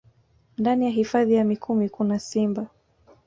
Ndani ya hifadhi ya Mikumi kuna simba